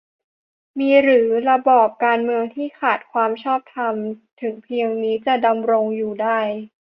มีหรือ ระบอบการเมืองที่ขาดความชอบธรรมถึงเพียงนี้จะดำรงอยู่ได้